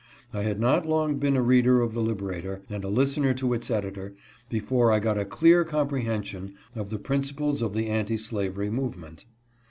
I had not long been a reader HE HEARS HIM LECTURE. 265 of the Liberator, and a listener to its editor, before I got a clear comprehension of the principles of the anti slavery movement.